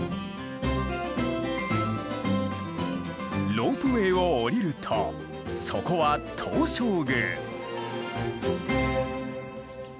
ロープウェイを降りるとそこは東照宮。